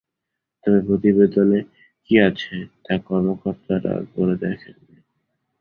তবে প্রতিবেদনে কী আছে, তা কর্মকর্তারা পড়ে দেখেননি।